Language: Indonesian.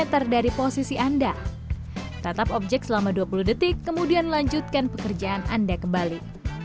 tetap objek selama dua puluh detik kemudian lanjutkan pekerjaan anda kembali